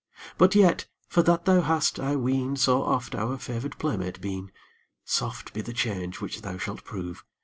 But yet, for that thou hast, I ween, So oft our favored playmate been, Soft be the change which thou shalt prove!